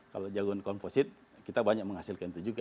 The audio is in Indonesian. kalau jagoan komposit kita banyak menghasilkan itu juga